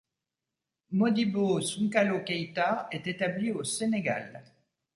Modibo Sounkalo Keita est établi au Sénégal.